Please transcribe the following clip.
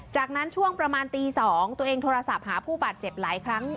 จากนั้นช่วงประมาณตี๒ตัวเองโทรศัพท์หาผู้บาดเจ็บหลายครั้ง